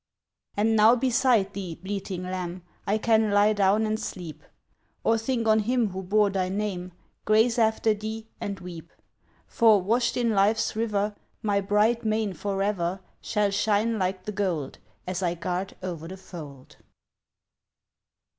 'And now beside thee, bleating lamb, I can lie down and sleep, Or think on Him who bore thy name, Graze after thee, and weep. For, washed in life's river, My bright mane for ever Shall shine like the gold, As I guard o'er the fold.